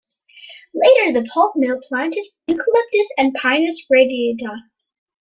Later the pulp mill planted Eucalyptus and Pinus radiata.